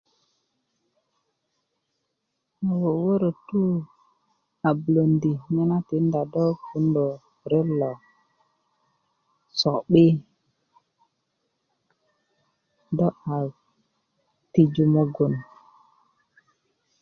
ko wöwörötu a bulöndi nye na tinda do puwundö ret lo so'bi do a tiju mugun